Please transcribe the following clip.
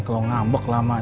kau bisa lihat